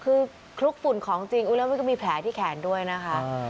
คือคลุกฝุ่นของจริงอุดเริ่มมันก็มีแผลที่แขนด้วยนะครับ